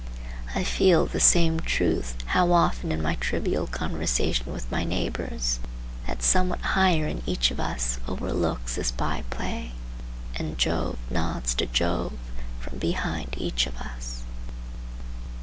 I feel the same truth how often in my trivial conversation with my neighbors, that somewhat higher in each of us overlooks this by play, and Jove nods to Jove from behind each of us.